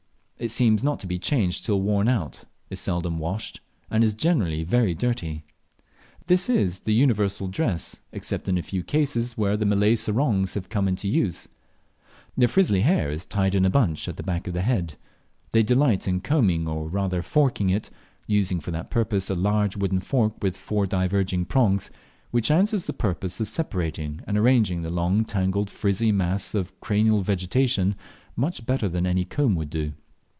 It seems not to be changed till worn out, is seldom washed, and is generally very dirty. This is the universal dress, except in a few cases where Malay "sarongs" have come into use. Their frizzly hair is tied in a bench at the back of the head. They delight in combing, or rather forking it, using for that purpose a large wooden fork with four diverging prongs, which answers the purpose of separating and arranging the long tangled, frizzly mass of cranial vegetation much better than any comb could do.